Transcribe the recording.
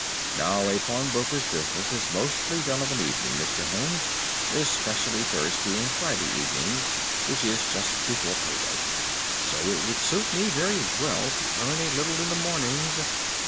"Now a pawnbroker's business is mostly done of an evening, Mr. Holmes, especially Thursday and Friday evening, which is just before pay day; so it would suit me very well to earn a little in the mornings.